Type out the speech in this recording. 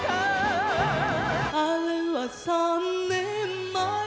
「あれは三年前」